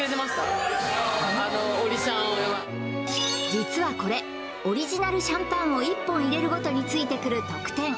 実はこれオリジナルシャンパンを１本入れるごとについてくる特典